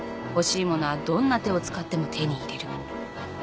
欲しいものはどんな手を使っても手に入れる。